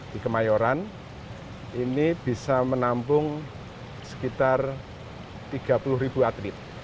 di kemayoran ini bisa menampung sekitar tiga puluh ribu atlet